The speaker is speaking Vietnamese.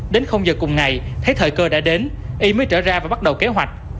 đến giờ cùng ngày thấy thời cơ đã đến y mới trở ra và bắt đầu kế hoạch